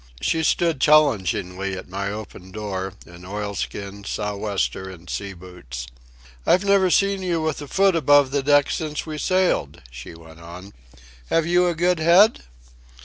She stood challengingly at my open door, in oilskins, sou'wester, and sea boots. "I've never seen you with a foot above the deck since we sailed," she went on. "Have you a good head?"